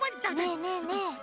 ねえねえねえ！